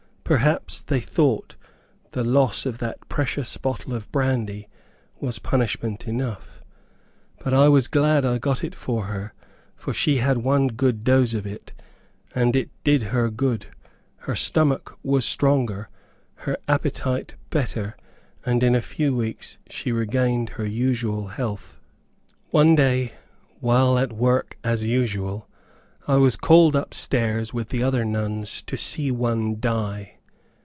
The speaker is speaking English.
Perhaps they thought the loss of that precious bottle of brandy was punishment enough. But I was glad I got it for her, for she had one good dose of it, and it did her good; her stomach was stronger, her appetite better, and in a few weeks she regained her usual health. One day, while at work as usual, I was called up stairs with the other nuns to see one die.